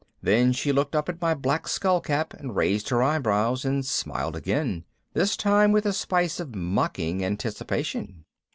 Then she looked up at my black skullcap and she raised her eyebrows and smiled again, this time with a spice of mocking anticipation.